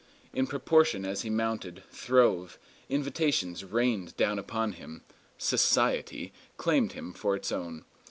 In proportion as he mounted, throve, invitations rained down upon him. "Society" claimed him for its own.